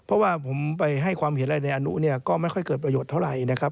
เพราะว่าผมไปให้ความเห็นอะไรในอนุเนี่ยก็ไม่ค่อยเกิดประโยชน์เท่าไหร่นะครับ